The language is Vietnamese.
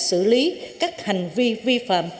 xử lý các hành vi vi phạm